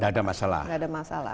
tidak ada masalah